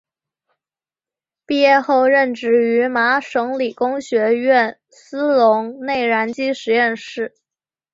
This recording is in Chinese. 毕业后任职于麻省理工学院斯龙内燃机实验室。